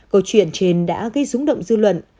câu chuyện trên đã gây rúng động dư luận